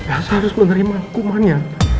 elsa harus menerima hukumannya